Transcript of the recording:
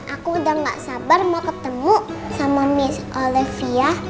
aku udah gak sabar mau ketemu sama olivia